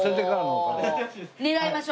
狙いましょう。